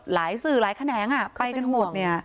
หลายสื่อหลายแขนงอ่ะไปกันหมดเนี๊ยะ